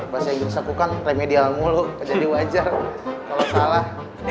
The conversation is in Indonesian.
bahasa inggris aku kan remedial mulu jadi wajar kalau salah